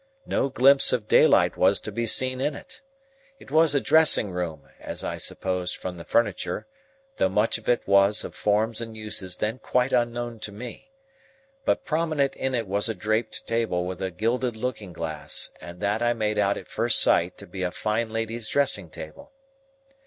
No glimpse of daylight was to be seen in it. It was a dressing room, as I supposed from the furniture, though much of it was of forms and uses then quite unknown to me. But prominent in it was a draped table with a gilded looking glass, and that I made out at first sight to be a fine lady's dressing table.